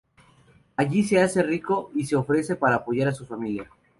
Allí se hace rico y se ofrece para apoyar a su familia.